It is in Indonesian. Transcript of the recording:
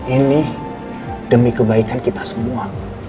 ini demi kebaikan kita semua